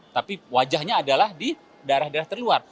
tapi wajahnya adalah di daerah daerah terluar